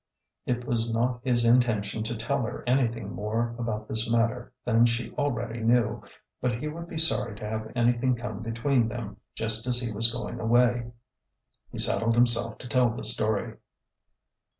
It was not his intention to tell her anything more about this matter than she already knew, but he would be sorry to have anything come between them just as he was going away. He settled himself to tell the story.